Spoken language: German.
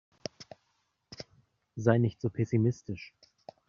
Sei nicht so pessimistisch.